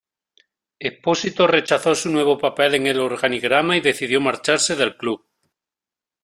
Expósito rechazó su nuevo papel en el organigrama y decidió marcharse del club.